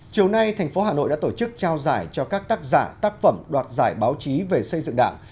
chiều nay thành phố hà nội đã tổ chức trao giải cho các tác giả tác phẩm đoạt giải báo chí về xây dựng đảng